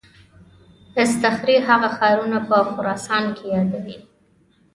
اصطخري هغه ښارونه په خراسان کې یادوي.